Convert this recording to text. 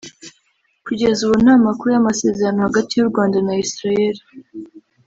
Kugeza ubu nta makuru y’amasezerano hagati y’u Rwanda na Israel